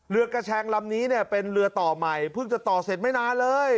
เรือกระแชงลำนี้เนี่ยเป็นเรือต่อใหม่เพิ่งจะต่อเสร็จไม่นานเลย